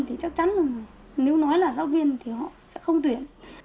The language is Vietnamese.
thì chắc chắn rằng nếu nói là giáo viên thì họ sẽ không tuyển